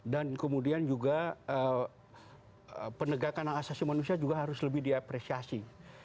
dan kemudian juga penegakan asasi manusia juga harus lebih diapresiasi